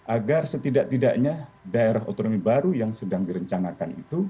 agar setidak tidaknya daerah otonomi baru yang sedang direncangkan